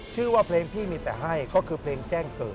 ชื่อว่าเพลงพี่มีแต่ให้ก็คือเพลงแจ้งเกิด